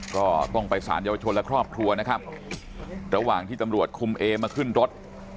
ก็ต้องไปสารเยาวชนและครอบครัวนะครับระหว่างที่ตำรวจคุมเอมาขึ้นรถ